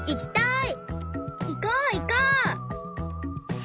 いこういこう！